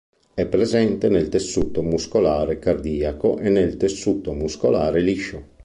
È presente nel tessuto muscolare cardiaco e nel tessuto muscolare liscio.